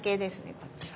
こっちは。